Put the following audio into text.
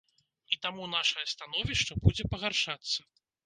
І таму нашае становішча будзе пагаршацца.